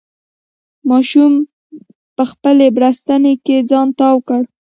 ماشوم په خپلې بړستنې کې ځان تاو کړ.